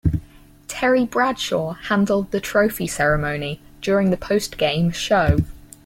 Terry Bradshaw handled the trophy ceremony during the postgame show.